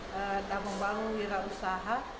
tidak membangun wirausaha